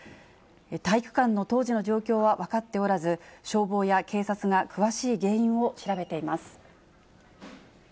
体育館の当時の状況は分かっておらず、消防や警察が詳しい原因を調べています。